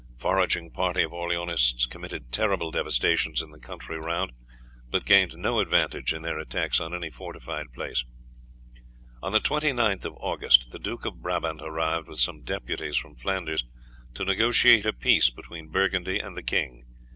Foraging parties of Orleanists committed terrible devastations in the country round, but gained no advantage in their attacks on any fortified place. On the 29th of August the Duke of Brabant arrived with some deputies from Flanders to negotiate a peace between Burgundy and the king.